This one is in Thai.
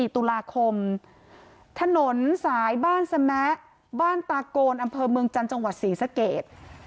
๔ตุลาคมถนนสายบ้านสมะบ้านตาโกนอำเภอเมืองจันทร์จังหวัดศรีสเกต